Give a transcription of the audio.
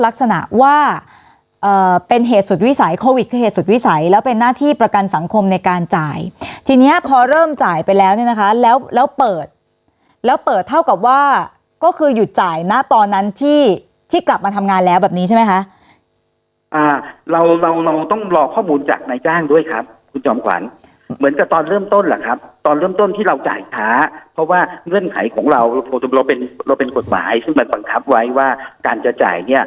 โควิดคือเหตุสุดวิสัยแล้วเป็นหน้าที่ประกันสังคมในการจ่ายทีเนี้ยพอเริ่มจ่ายไปแล้วเนี้ยนะคะแล้วแล้วเปิดแล้วเปิดเท่ากับว่าก็คือหยุดจ่ายนะตอนนั้นที่ที่กลับมาทำงานแล้วแบบนี้ใช่ไหมคะอ่าเราเราต้องรอข้อมูลจากนายจ้างด้วยครับคุณจำขวัญเหมือนกับตอนเริ่มต้นเหรอครับตอนเริ่มต้นที่เราจ่ายช้าเพ